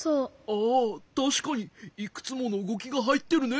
ああたしかにいくつものうごきがはいってるね。